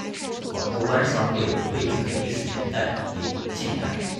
广州湾商会会址的历史年代为近代。